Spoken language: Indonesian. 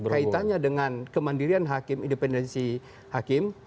kaitannya dengan kemandirian hakim independensi hakim